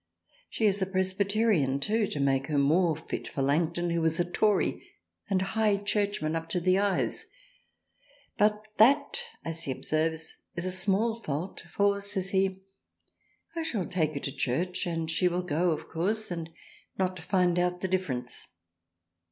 She is a Presbyterian too, to make her more fit for Langton who is a Tory and High Churchman up to the Eyes, but that as he observes is a small Fault for says he I shall take her to Church and she will go of lo THRALIANA course and not find out the difference.